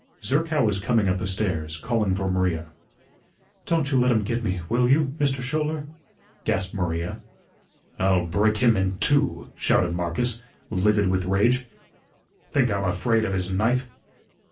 Zerkow was coming up the stairs, calling for Maria. "Don't you let him get me, will you, Mister Schouler?" gasped Maria. "I'll break him in two," shouted Marcus, livid with rage. "Think I'm afraid of his knife?"